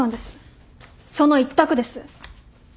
その一択です。